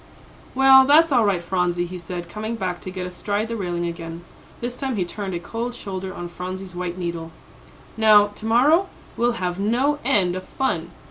"Well, that's all right, Phronsie," he said, coming back to get astride the railing again; this time he turned a cold shoulder on Phronsie's "white needle." "Now, to morrow, we'll have no end of fun."